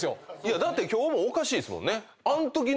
だって今日もおかしいですもんね。